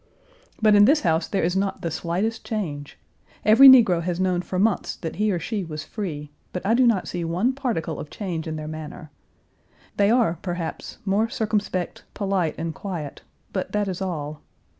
But in this house there is not the slightest change. Every negro has known for months that he or she was free, but I do not see one particle of change in their manner. They are, perhaps, more circumspect, polite, and quiet, but that is all.